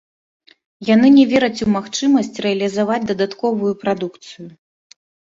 Яны не вераць у магчымасць рэалізаваць дадатковую прадукцыю.